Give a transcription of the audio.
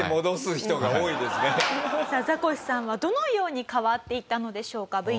さあザコシさんはどのように変わっていったのでしょうか。